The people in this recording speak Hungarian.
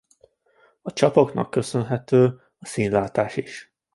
A csapoknak köszönhető a színlátás is.